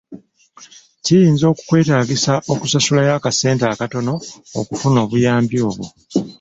Kiyinza okukwetaagisa okusasulayo akasente akatono okufuna obuyambi obwo.